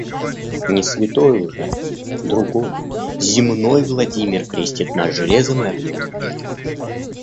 Не святой уже — другой, земной Владимир крестит нас железом и огнем декретов.